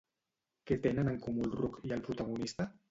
Què tenen en comú el ruc i el protagonista?